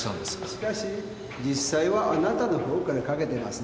しかし実際はあなたのほうからかけてますね？